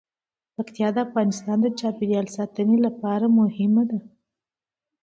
پکتیکا د افغانستان د چاپیریال ساتنې لپاره مهم دي.